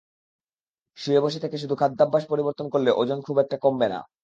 শুয়ে-বসে থেকে শুধু খাদ্যাভ্যাস পরিবর্তন করলে ওজন খুব একটা কমবে না।